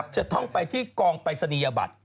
จะต้องไปที่กองปรายศนียบัตร